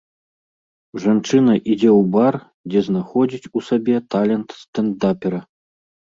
Жанчына ідзе ў бар, дзе знаходзіць у сабе талент стэндапера.